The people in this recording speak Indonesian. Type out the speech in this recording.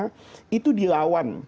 ketika di lawan